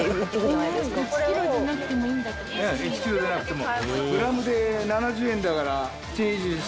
１ｋｇじゃなくても。